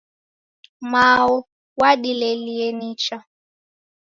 Mao wadilelie nicha